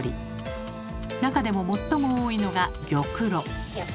なかでも最も多いのが玉露。